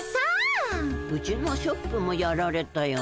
うちのショップもやられたよ。